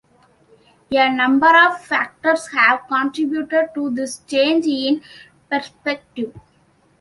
A number of factors have contributed to this change in perspective.